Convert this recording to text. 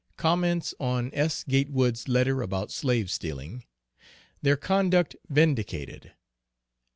_Comments on S. Gatewood's letter about slaves stealing. Their conduct vindicated.